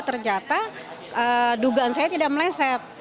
ternyata dugaan saya tidak meleset